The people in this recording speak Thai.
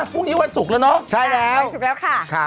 พรุ่งนี้วันศุกร์แล้วเนอะใช่แล้ววันศุกร์แล้วค่ะ